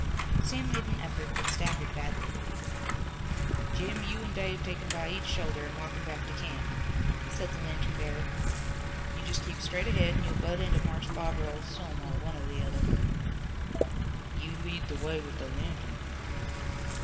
Sam made an effort, but staggered badly. "Jim, you an' Dave take him by each shoulder an' walk him back to camp," said the lantern bearer. "You jest keep straight ahead an' you'll butt into Marse Bob or old Stonewall, one or the other." "You lead the way with the lantern."